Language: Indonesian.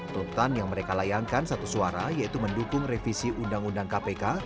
tuntutan yang mereka layankan satu suara yaitu mendukung revisi undang undang kpk